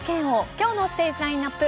今日のステージラインナップ